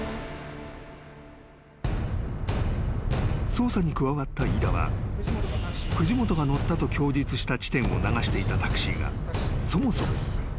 ［捜査に加わった飯田は藤本が乗ったと供述した地点を流していたタクシーがそもそもどこに向かおうとしていたか分析］